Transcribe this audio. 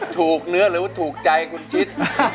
ถูกเนื้อหรือถูกใจคุณชิส